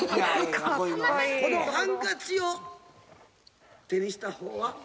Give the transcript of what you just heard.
「このハンカチを手にした方は」